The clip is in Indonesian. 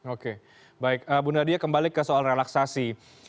oke baik bunda dya kembali ke soal relaksasi